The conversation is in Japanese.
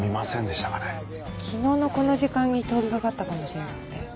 昨日のこの時間に通りがかったかもしれなくて。